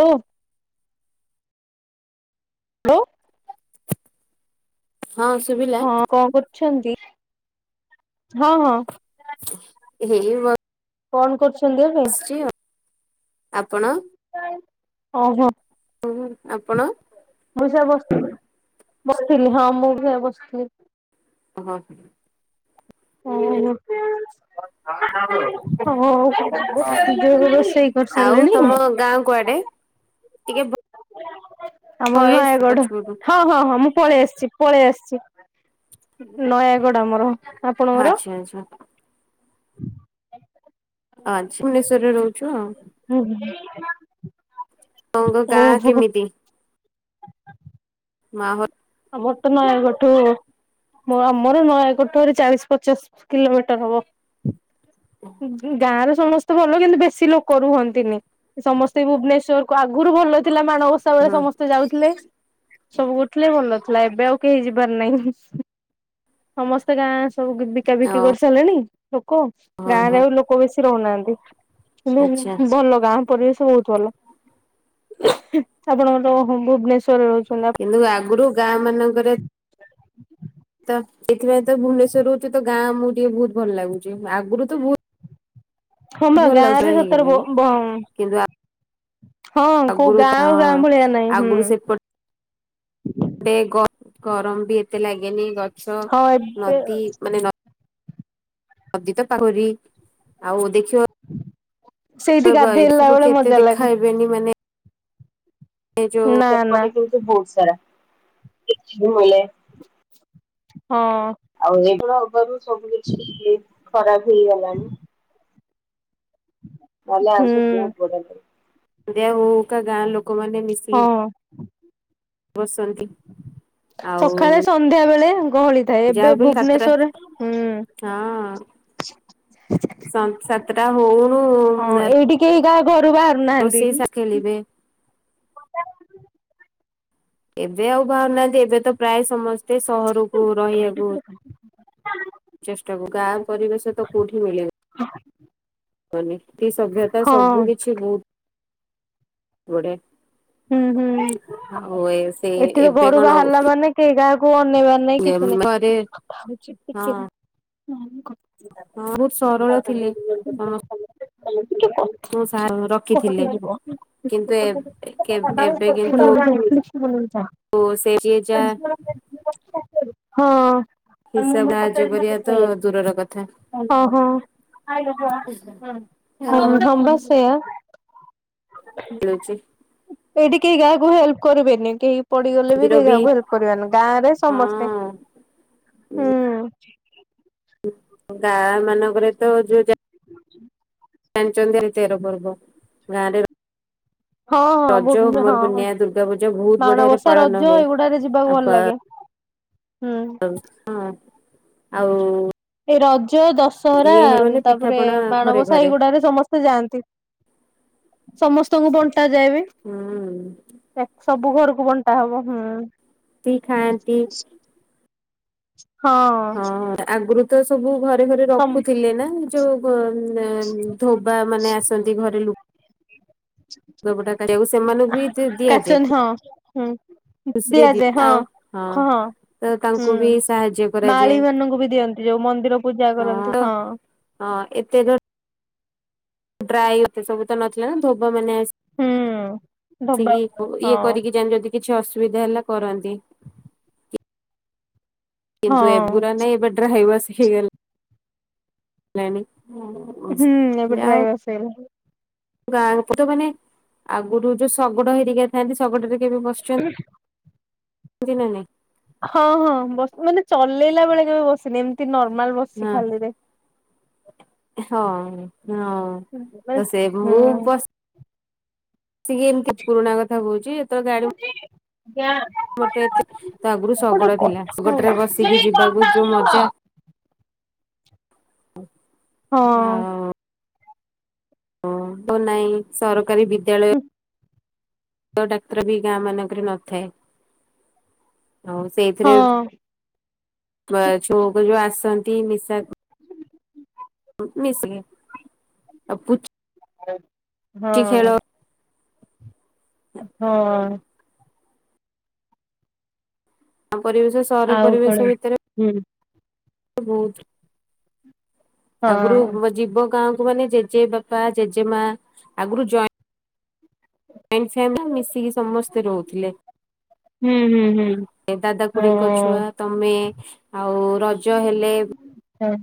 ଲୋ hello. ହଁ ଶୁଭିଲା? ହଁ କଣ କରୁଛନ୍ତି? ହଁ ହଁ। ହେଇ ବ କଣ କରୁଛନ୍ତି ଏବେ? ଆପଣ ଓହୋ ହଁ ଆପଣ? ମୁଁ ସେଆ ବସିଥିଲି। ବସିଥିଲି ହଁ ମୁଁ ବି ସେ ବସିଥିଲି। ହଁ ହଁ। ଓହୋ। ହଁ [inaudible] ରୋଷେଇ ଆଉ କରିସାରିଲେଣି? ତମ ଗାଁ କୁଆଡେ? ଟିକେ ଆମର ଭଏସ ନୟାଗଡ। ପଛପଟୁ ହଁ ହଁ ହଁ ମୁଁ ପଳେଇ ଆସିଛି। ପଳେଇ ଆସିଛି। ନୟାଗଡ଼ ଆମର। ଆପଣଙ୍କର? ଆଚ୍ଛା ଆଚ୍ଛା। ଆଚ୍ଛା। ଭୁବନେଶ୍ଵରରେ ରହୁଛୁ ଆଉ। ହୁଁ ହୁଁ। ଆପଣଙ୍କ ଗାଁ କେମିତି? ମାହୋ ଆମରତ ନୟାଗଡ଼ ଠୁ ମୋର ଆମର ନୟାଗଡ଼ଠାରୁ ଚାଳିଶ ପଚାଶ କିଲୋମିଟର ହବ। ଗ୍ ଗ୍ ଗାଁର ସମସ୍ତ ତ ଭଲ କିନ୍ତୁ ବେଶୀ ଲୋକ ରୁହନ୍ତିନି। ସମସ୍ତେ ଭୁବନେଶ୍ଵର କୁ ଆଗରୁ ଭଲ ଥିଲା ମାଣବ ବସା ବେଳେ ହୁଁ ସମସ୍ତେ ଯାଉଥିଲେ। ସବୁ କରୁଥିଲେ ଭଲଥିଲା। ଏବେ ଆଉ କେହି ଯିବାର ନାହିଁ। ସମସ୍ତେ ଗାଁ ସବୁ ବିକା ବିକି ଓ କରିସାରିଲେଣି ଲୋକ। ହଁ ଗାଁ ରେ ଆଉ ଲୋକ ଲୋକ ବେଶୀ ରହୁନାହାନ୍ତି। ଆଚ୍ଛା କିନ୍ତୁ ଭଲ ଗାଁ। ପରିବେଶ ବହୁତ ଭଲ। ଆପଣଙ୍କର ଭୁବନେଶ୍ଵରରେ ରହୁଛନ୍ତି? କିନ୍ତୁ ଆଗରୁ ଗାଁ ମାନଙ୍କରେ ତ ଏଥିପାଇଁ ତ ଭୁବନେଶ୍ଵର ରହୁଛି ତ ଗାଁ ଆମକୁ ଟିକେ ବହୁତ ଭଲ ଲାଗୁଛି ଆଗରୁ ତ ବହୁତ ହଁ ବା ଭଲ ଗାଁ ଲାଗୁଥିଲା ରେ ସତର ହେଇଗଲାଣି ବ-ବ କିନ୍ତୁ ହଁ କୋଉ ଆଗରୁ ଗାଁ ହଁ ଆଉ ଗାଁ ଭଳିଆ ନାଇଁ ହୁଁ। ଗଟେ ଗରମ ବି ଏତେ ଲାଗେନି ଗଛ ହଁ ଏବେ ନଦୀ ମାନେ ନ ନଦୀ ତ ପାଖରୀ ଆଉ ଦେଖ ସେଇଠି ଏ ଗାଧେଇଲା ସବୁ ବେଳେ କେତେ ମଜା ଲାଗେ ଦେଖା ହବନି ମାନେ ଏ ଯୋଉ ନା ନା ସେପଟେ କିନ୍ତୁ ବହୁତ ସାରା [unintelligible] ମିଲେ। ହଁ। ଆଉ ଏଇଭଳିଆ ହେବାରୁ ସବୁ କିଛି ଖରାପ ହେଇଗଲାଣି। ଭଲ ଅଛି ହୁଁ ବହୁତ ବଢିଆ ଲାଗୁଚି। ହଁ। ବସନ୍ତି। ଆଉ ସକାଳେ ସନ୍ଧ୍ୟା ବେଳେ ଗହଳି ଥାଏ ଯାହା ଏବେ ବି ହେଲେ ସାତଟା ଭୁବନେଶ୍ଵରରେ ହୁଁ। ହଁ ସାତଟା ସାତଟା ହଉ ହଉ ଉଁ ହଁ ଦ ଏଇଠି କେହି କାହା ଘରୁ ବା ରୋଷେଇ ସା ଖେଲିବେ। ଏବେ ଆଉ ବାହାରୁନାହାନ୍ତି ଏବେ ତ ପ୍ରାୟ ସମସ୍ତେ ସହରକୁ ରହିବାକୁ ଚେଷ୍ଟାକୁ ଗାଁ ପରିବେଶ ତ କୋଉଠି ମିଳେ ବନି ନିତି ସଭ୍ୟତା ହଁ ସବୁ କିଛି ବହୁତ ହୁଁ ହୁଁ ବଢିଆ ଆଉ ଏ ସେ ଏବେ କଣ ଆଉ ତେ ଗାଁକୁ ଅନେଇବାର ନାଇଁ କିଛି ଘରେ ହଁ ନାଇଁ। ହଁ ବହୁତ ସରଳ ଥିଲେ। ସମସ୍ତଙ୍କୁ ଟିକେ କଥା ସା ଯିବ ରଖିଥିଲେ କଟିଯିବ। କିନ୍ତୁ ଏ ଏବେ କିନ୍ତୁ ସେ ଯିଏ ଯାହା ହଁ ଅ ହିସାବ ସାହାଯ୍ୟ କରିବା ତ ଦୂରର କଥା ହଁ। ଆଉ ହଁ ବା ସେୟା। ମିଳୁଛି ଏଇଠି କେହି କାହାକୁ ହେଲ୍ପ କରିବେନି କେହି ପଡିଗଲେ ବି କେହି କାହାକୁ ହେଲ୍ପ କରିବେନି ଗାଁ ରେ ସମସ୍ତେ ହଁ ହୁଁ। ଗାଁ ମାନଙ୍କରେ ତ ଯୋଉ ଜାଣିଛନ୍ତି ତେର ପର୍ବ ଗାଁରେ ହଁ ହଁ ଭୁବ ହଁ ପୂର୍ଣ୍ଣିମା ଦୁର୍ଗା ପୂଜା ବହୁତ ବଢିଆରେ ମାଣବସା ପାଳନ ରଜ ହୁଏ ଏଇଗୁଡାରେ ଯିବାକୁ ଭଲ ଆଉ ଲାଗେ। ହୁଁ। ହଁ ଆଉ ଏ ରଜ ଦଶହରା ଇଏ ଉଁ ମାନେ ତାପରେ ପିଠାପଣା ଘରେ ମାଣବସା ଘରେ ଏଗୁଡାରେ ସମସ ସେ ଯାଆନ୍ତି ସମସ୍ତଙ୍କୁ ବଣ୍ଟା ଯାଏ ବି ହୁଁ ତାକ ସବ ସବୁ ଘରକୁ ବଣ୍ଟା ହବ ହୁଁ ତି ଖାନ୍ତି। ହଁ ଆଗୁରୁ ତ ସବୁ ଘରେ ଘରେ ସମ୍ ରଖୁଥିଲେ ନା ଯୋଉ ଗୁ ନା ଉଁ ଧୋବା ମାନେ ଆସ ଏଇ ଘରେ ଲୁ ଲୁଗା ପଟା କାଢ଼ିଆକୁ ସେମାନଙ୍କୁ ବି ଦି-ଦିଆଯାଏ କାଚନ୍ତି ଖୁ ହଁ ହୁଁ ଦିଆଯାଏ ହଁ ହଁ। ତ ହୁଁ ତାଙ୍କୁ ବି ସାହାଯ୍ୟ କରାଯାଏ ମାଳି ମାନଙ୍କୁ ବି ଦିଅନ୍ତି ଯୋଉ ମନ୍ଦିର ପୂଜା କରନ୍ତି ହଁ। ହଁ ଏତେ ଘ ଡ୍ରାଇ ସେ ସବୁ ତ ନଥିଲା ନା ଧୋବା ମାନେ ଆ ହୁଁ ଧବା ସେଇ ଅ ଇଏ ହଁ କରିକି ଜଣେ ଯଦି କିଛି ଅସୁବିଧା ହେଲା କରନ୍ତି। ହଁ କିନ୍ତୁ ଏଗୁରା ନାଇ ଏବେ ଡ୍ରାଏ ୱାଶ୍ ହେଇଗଲା। ଲାଏନି [unintelligible] ହୁଁ ଏବେ ଡ୍ରାଏ ୱାଶ୍ ହେଇଗଲାଣି। ଗାଁ ଲୋକ ତ ମାନେ ଆଗୁରୁ ଯୋଉ ଶଗଡ଼ ହେରିକା ଥାନ୍ତି ଶଗଡ଼ରେ କେବେ ବସଛନ୍ ନ୍ତି ନା ନାଇ? ହଁ ହଁ ବସ୍ ମାନେ ଚଲେଇଲା ବେଳେ କେବେ ବସିନି ଏମିତି ନର୍ମାଲ ବ ହଁ ହଁ ହଁ। ମାନେ ତ ସେ ମୁଁ ହୁଁ। ବସ୍ ସି କିଏ ଏମତି ପୁରୁଣା କଥା କହୁଚି ଯେତବେଳେ ଗାଡି ଜ୍ଞା। ମୋଟେ ଏତେ ତ ଆଗରୁ ଶଗଡ଼ ଥିଲା। କଥା ହଁ ଶଗଡରେ ବସିକି ଯିବାକୁ ଯୋଉ ମଜା। ହଁ। ଓ ହ ନାଇଁ ସରକାରୀ ବିଦ୍ୟାଳୟ। ଡାକ୍ତର ବି ଗାଁ ମାନଙ୍କରେ ନଥାଏ। ହଉ ହଁ ସେଇଥିରେ ହଁ ଛୁଆ ଛୁକରେ ଯୋଉ ଆସନ୍ତି ନିଶା ମିଶିକି ଆପୁଚ୍ ହଁ ଅ। ହଁ। ଆମ୍ ପରିବେଶ ଓ ସହର ଆଉ କଣ ପରିବେଶ ଭିତରେ ହୁଁ ବହୁତ୍ ଆଗୁରୁ ହଁ ଯିବ ଗାଁକୁ ମାନେ ଜେଜେ ବାପା ଜେଜେ ମା ଆଗରୁ ଜଏଁ ଣ୍ଟ ଫ୍ୟାମଲି ରେ ମିଶିକି ସମସ୍ତେ ରହୁଥିଲେ। ହୁଁ ହୁଁ ହୁଁ। ଏ ଦାଦା ଖୁଡିଙ୍କ ଛୁଆ ତମେ ଆଉ ରଜ ହେଲେ ହେଁ।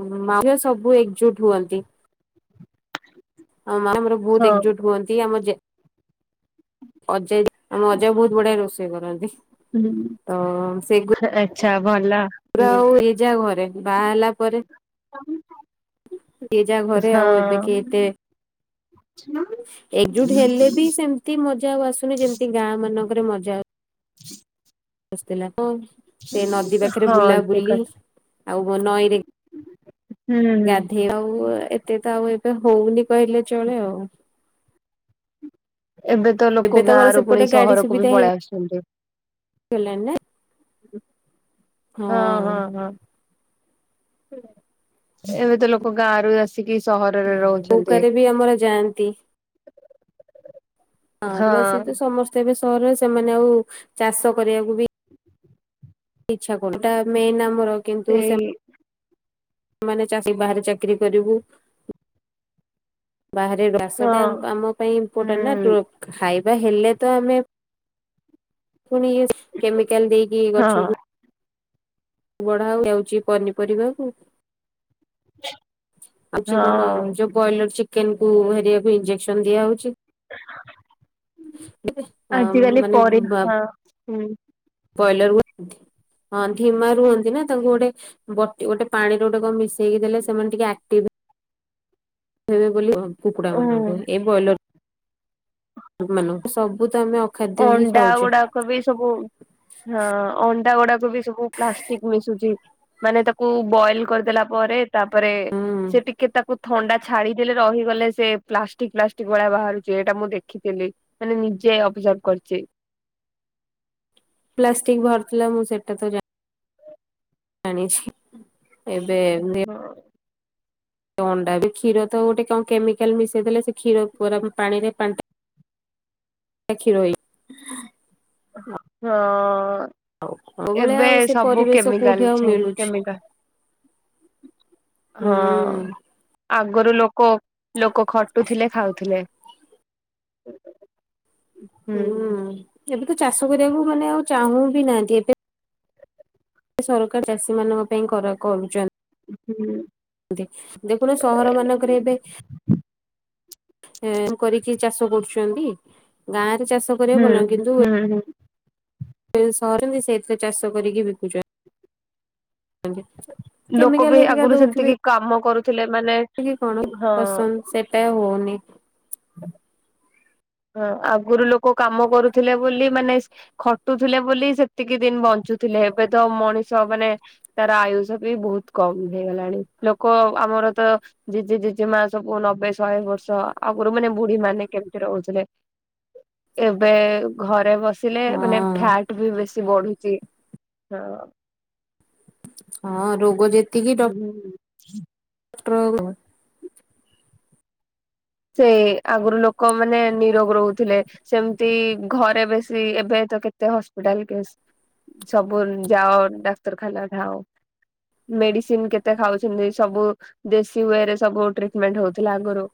ଉଁ ମା ଠିଆ ସବୁ ଏକଜୁଟ୍ ହୁଅନ୍ତି। ହଁ ମା ଆମର ବହୁତ ହଁ ଏକଜୁଟ୍। ହୁଅନ୍ତି। ଆମ ଜେ ଅଜୟ ଆମ ଅଜୟ ବହୁତ ବଢିଆ ରୋଷେଇ କରନ୍ତି। ତ ହୁଁ ଆଚ୍ଛା ଭଲ। ପୁରା ହୁଁ ଆଉ ଏଇ ଯା ଘରେ ବାହା ହେଲା ପରେ ଦି ଯା ଘରେ ଆଉ ଏବେ ହଁ କିଏ କିଏ? ଏକଜୁଟ୍ ହେଲେ ବି ସେମତି ମଜା ଆଉ ଆସୁନି ଯେମିତି ଗାଁ ମାନଙ୍କରେ ମଜା ଆ। ଆସଥେଲା ତ ସେ ନଦୀ ପାଖରେ ହଁ ବୁଲା ଠିକ ବୁଲି କଥା ଆଉ ମୋ ନଈରେ ହୁଁ। ଗାଧେଇବା ଆଉ ଏତେ ତ ଆଉ ଏବେ ହଉନି କହିଲେ ଚଳେ ଆଉ। ଏବେ ତ ଏବେ ଲୋକ ଗାଁ ତମର ରୁ ସେପଟେ ପୁଣି ଗାଡି ସହରକୁ ବି ପଳେଇ ଆସୁଛନ୍ତି। ଓଲାନ ନାଇ। ହଁ ହଁ ହଁ। ଏବେ ତ ଲୋକ ଗାଁରୁ ଆସ୍ ତିକି ସହରରେ ରହୁଛନ୍ତି। ନୌକାରେ ବି ଆମର ଯାଆନ୍ତି ଆଁ ରୁ ଆସିକି ହଁ। ସମସ୍ତେ ଏବେ ସହରରେ ସେମାନେ ଆଉ ଚାଷ କରିବାକୁ ବି ଇଛା କରୁନାନ୍ତି। ଯୋଟା ମେନ୍ ଆମର କିନ୍ତୁ ସେ ସେଇ ମାନେ ଚାଷୀ ବାହାରେ ଚାକିରି କରିବୁ। ବାହାରେ ବାସଟା ଆମ୍ ହଁ ଆମ ପାଇଁ ଇମ୍ପୋର୍ଟାଣ୍ଟ ନା ପ୍ରୋ ହୁଁ ଖାଇବା ହେଲେ ତ ଆମେ ପୁଣି ଏଫ୍ କେମିକାଲ ଦେଇକି ହଁ। ଗଛକୁ ବଢା ହଉ ହେଉଚି ପନିପରିବାକୁ ଆଜି କଣ ହଁ ଯୋଉ ବଏଲର୍ ଚିକେନ୍ କୁ ହେରିଆକୁ ଇଞ୍ଜେକ୍ସନ୍ ଦିଆ ହଉଚି ଆଁ ଆଜିକାଲି ମାନେ ପରି ବା ହଁ ହୁଁ। ପଏଲର୍ ହୁଅନ୍ତି? ହଁ ଧିମା ରୁହନ୍ତି ନା ତାଙ୍କୁ ଗୋଟେ ବ ଗୋଟେ ପାଣିରେ ଗୋଟେ କଣ ମିଶେଇକି ଦେଲେ ସେମାନେ ଟିକେ ଆକ୍ଟିଭ ହେବେ ବୋଲି କୁକୁଡା ହୁଁ ମାନଙ୍କୁ ଏ ବ୍ରଏଲର ମାନଙ୍କୁ ସବୁ ତ ଆମେ ଅଖାଦ୍ୟ ହିଁ ଅଣ୍ଡା ଖାଉଛେ। ଗୁଡାକ ବି ସବୁ ହଁ ଅଣ୍ଡା ଗୁଡାକ ବି ସବୁ ପ୍ଲାଷ୍ଟିକ ମିଶୁଛି ମାନେ ତାକୁ ବଏଲ କରିଦେଲା ପରେ ତାପରେ ହୁଁ ସେ ଟିକେ ତାକୁ ଥଣ୍ଡା ଛାଡିଥିଲେ ରହିଗଲେ ସେ ପ୍ଲାଷ୍ଟିକ ପ୍ଲାଷ୍ଟିକ ଭଳିଆ ବାହାରୁଛି ଏଇଟା ମୁଁ ଦେଖିଥିଲି। ମାନେ ନିଜେ ଅବଜର୍ଭ କରିଛି। ପ୍ଲାଷ୍ଟିକ ଭର ଥିଲା ମୁଁ ସେଟା ତ ଜା ଜାଣିଛି ଏବେ ନେ ହଁ। ଅଣ୍ଡା ବି କ୍ଷୀର ତ ଗୋଟେ କଣ କେମିକାଲ ମିଶେଇ ଦେଲେ ସେ କ୍ଷୀର ପୁରା ପାଣିରେ ପା କ୍ଷି ଏଥି ରହି ହଁ। ଆଉ ଭଳିଆ ଏବେ ଆଉ ସେ ସବୁ ପରିବେଶ କୋଉଠି କେମିକାଲ ଆଉ ସବୁ ମିଳୁଛି କେମିକାଲ ହଁ ହୁଁ। ଆଗରୁ ଲୋକ ଲୋକ ଖଟୁଥିଲେ ଖାଉଥିଲେ। ହୁଁ। ଏବେ ତ ଚାଷ କରିବାକୁ ମାନେ ଆଉ ଚାହୁଁ ବି ନାହାନ୍ତି ଏବେ ସେ ସରକାର ଚାଷୀ ମାନଙ୍କ ପାଇଁ କର କରୁଛନ୍ତି। ହୁଁ। ଦେଖୁନ ସହର ମାନଙ୍କରେ ଏବେ ଏ କରିକି ଚାଷ କରୁଛନ୍ତି ଗାଁ ରେ ଚାଷ କରିବା ହୁଁ ଭଲ ଲାଗୁନି କିନ୍ତୁ ହୁଁ ହୁଁ। କିନ୍ତୁ ସହରରେ ସେଇଥିରେ ଚାଷ କରିକି ବିକୁଛ ଲୋକ କେମିକାଲ ବି ଆଗରୁ ସେମତି କି କାମ କରୁଥିଲେ ମାନେ ଆକଚୁଆଲି କଣ ହଁ ପସନ୍ଦ ସେଟା ହଉନି। ହଁ ଆଗରୁ ଲୋକ କାମ କରୁଥିଲେ ବୋଲି ମାନେ ଖଟୁଥିଲେ ବୋଲି ସେତିକି ଦିନ ବଞ୍ଚୁଥିଲେ ଏବେ ତ ମଣିଷ ମାନେ ତାର ଆୟୁଷ ବି ବହୁତ କମ ହେଇଗଲାଣି ଲୋକ ଆମର ତ ଜେଜେ ଜେଜେ ମା ସବୁ ନବେ ଶହେ ବର୍ଷ ଆଗରୁ ମାନେ ବୁଢୀ ମାନେ କେମିତି ରହୁଛି? ବସିଲେ ଏବେ ଘରେ ବସିଲେ ମାନେ ଖା ହଁ। ବି ବେଶୀ ବଢୁଛି ହଁ। ହଁ ରୋଗ ଯେତିକି ଡ ହୁଁ। [unintelligible] ସେ ଆଗରୁ ଲୋକ ମାନେ ନିରୋଗ ରହୁଥିଲେ। ସେମିତି ଘରେ ବେଶୀ ଏବେ ତ କେତେ ହସ୍ପିଟାଲ କେଶ୍ ସବୁ ଯାଅ ଡାକ୍ତରଖାନା ଧାଁ ମେଡିସିନ କେତେ ଖାଉଛନ୍ତି ସବୁ ଦେଶୀ ୱଏ ରେ ସବୁ ଟ୍ରିଟମେଣ୍ଟ ହଉଥିଲା ଆଗରୁ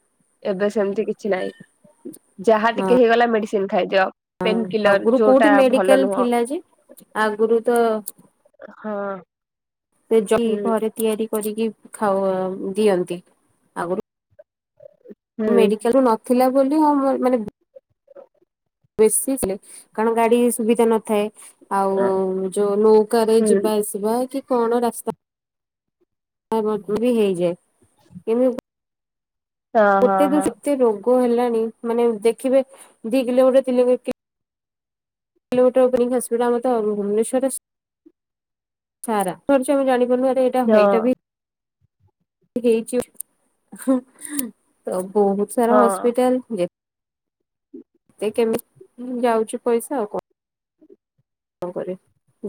ଏବେ ସେମିତି କିଛି ନାହିଁ। ଯାହା ଟିକେ ହେଇଗଲା ମେଡିସିନ ଖାଇଦିଅ ପେନ୍ କିଲର ଆଗରୁ କୋଉଠି ଯୋଉଟା ମେଡିକାଲ ଭଲ ନୁହଁ। ଥିଲା ଯେ ଆଗରୁ ତ ହଁ। ସେ ଯ ହୁଁ ଘରେ ତିଆରି କରିକି ଖାଉ ଦିଅନ୍ତି ଆଗରୁ ହୁଁ ମେଡିକାଲ ରୁ ନଥିଲା ବୋଲି ହଁ ମାନେ ବେଶୀ ଥିଲେ କାରଣ ଗାଡି ସୁବିଧା ନଥାଏ। ଆଉ ଯୋଉ ନୌକାରେରେ ହୁଁ। ଯିବା ଆସିବା କି କଣ ରାସ୍ତା [unintelligible] ବି ହେଇଯାଏ କେମିତି ହଁ ହଁ ଗୋଟେ ଦୂର ହଁ କେତେ ରୋଗ ହେଲାଣି ମାନେ ଦେଖିବେ ଦଗିଲ ଗୋଟେ ତି କୋଟ ଓପନିଂ ହସ୍ପିଟାମ ତ ଭୁବନେଶ୍ୱରରେ ସାରା ପଛ ଆମେ ଜାଣିପାରୁ ଏଇଟା ହଁ ଏଇଟା ବି ହେଇ ଚୁ ହଁ ବହୁତ ସାରା ହଁ ହସ୍ପିଟାଲ ଯେ ହେ କେମିତି ଯାଉଛ ପଇସା ଆଉ କଣ କଣ କରିବ?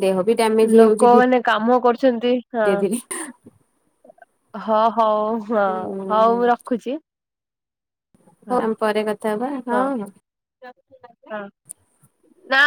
ଦେହ ବି ଡ୍ୟାମ ଲୋକ ମାନେ କାମ କରୁଛନ୍ତି। ହଁ ଧୀରେ ହଁ ହଉ ହଁ ଧୀରେ। ହଉ ମୁଁ ରଖୁଛି। ହଉ ହଁ ଆମେ ପରେ କଥା ହେବା। ହଁ ହଁ- ନା